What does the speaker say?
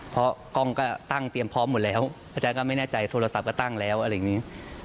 เพราะกล้องก็ตั้งเตรียมพร้อมหมดแล้วอาจารย์ก็ไม่แน่ใจโทรศัพท์ก็ตั้งแล้วอะไรอย่างนี้